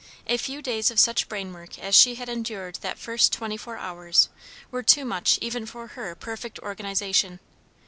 A few days of such brain work as she had endured that first twenty four hours were too much even for her perfect organization.